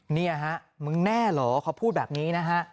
เนี่ยฮะมึงแน่เหรอเขาพูดแบบนี้นะฮะ